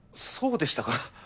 そうでしたか。